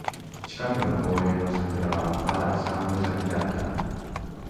近くの公園の桜はまだ三分咲きだった